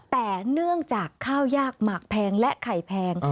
แต่เนื่องจากข้าวยากหมากแพงและไข่แพง